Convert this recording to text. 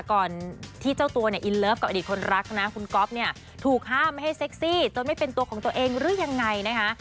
ก่อนที่เจ้าตัวเนี่ยอินเลิฟกับอดีตคนรักนะคุณก๊อฟเนี่ยถูกห้ามไม่ให้เซ็กซี่จนไม่เป็นตัวของตัวเองหรือยังไงนะคะ